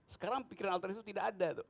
sekarang pikiran alternatif itu tidak ada